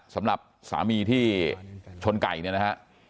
สำหรับสามีที่ชนไก่เนี่ยนะฮะ